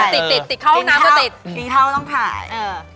ติดติดเข้าห้องน้ำก็ติด